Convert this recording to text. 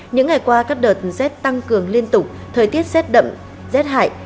những ngày qua các đợt rét tăng cường liên tục thời tiết rét đậm rét hại